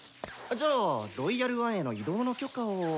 じゃあ「ロイヤル・ワン」への移動の許可を。